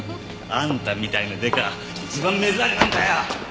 あんたみたいなデカ一番目障りなんだよ！